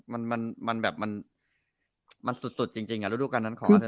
มันมันมันแบบมันมันสุดสุดจริงจริงอ่ะรูปการณ์นั้นของ